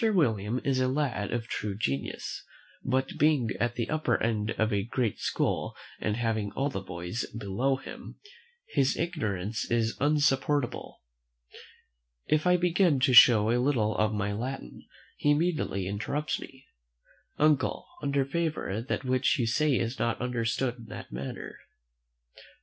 William is a lad of true genius; but, being at the upper end of a great school, and having all the boys below him, his arrogance is insupportable. If I begin to show a little of my Latin, he immediately interrupts: "Uncle, under favour, that which you say is not understood in that manner."